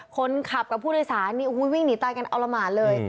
คนขับกับผู้โดยสารนี่วิ่งหนีตายกันเอาละหมานเลย